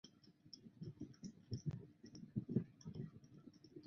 有时也会用猪或羊的睾丸代替。